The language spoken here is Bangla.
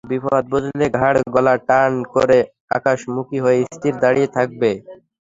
বিপদ বুঝলে ঘাড়-গলা টান টান করে আকাশমুখী হয়ে স্থির দাঁড়িয়ে থাকবে।